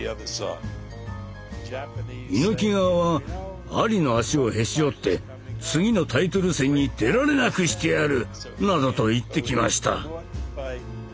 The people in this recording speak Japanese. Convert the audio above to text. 猪木側は「アリの足をへし折って次のタイトル戦に出られなくしてやる！」などと言ってきました。